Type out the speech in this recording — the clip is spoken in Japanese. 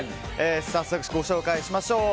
早速、ご紹介しましょう。